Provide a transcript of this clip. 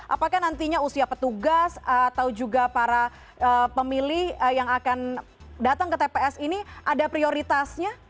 apakah nantinya usia petugas atau juga para pemilih yang akan datang ke tps ini ada prioritasnya